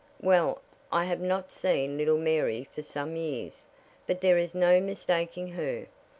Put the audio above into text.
"Well, I have not seen little Mary for some years, but there is no mistaking her.